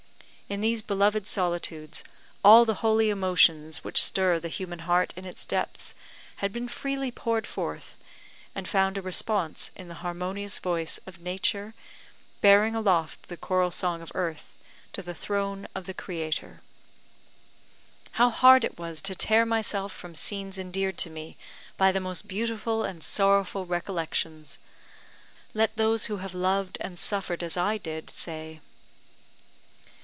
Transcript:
In these beloved solitudes all the holy emotions which stir the human heart in its depths had been freely poured forth, and found a response in the harmonious voice of Nature, bearing aloft the choral song of earth to the throne of the Creator. How hard it was to tear myself from scenes endeared to me by the most beautiful and sorrowful recollections, let those who have loved and suffered as I did, say.